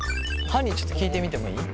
はにちょっと聞いてみてもいい？